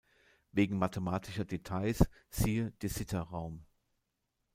Wegen mathematischer Details siehe De-Sitter-Raum.